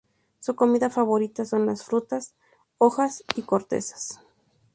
Su comida favorita son las frutas, hojas y cortezas.